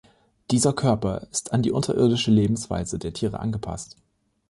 Dieser Körper ist an die unterirdische Lebensweise der Tiere angepasst.